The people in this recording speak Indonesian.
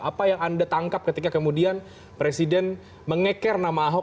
apa yang anda tangkap ketika kemudian presiden mengeker nama ahok